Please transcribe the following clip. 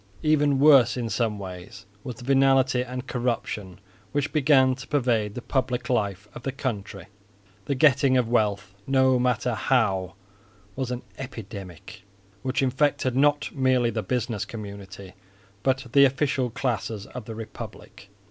Even worse in some ways was the venality and corruption which began to pervade the public life of the country. The getting of wealth, no matter how, was an epidemic, which infected not merely the business community, but the official classes of the republic.